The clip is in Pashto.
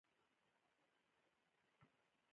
ایا زه باید بادام وخورم؟